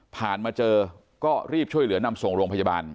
มาเจอก็รีบช่วยเหลือนำส่งโรงพยาบาล